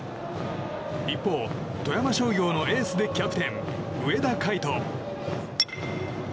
一方、富山商業のエースでキャプテン、上田海翔。